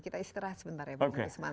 kita istirahat sebentar ya bang usman